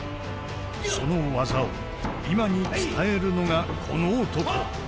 その技を今に伝えるのがこの男！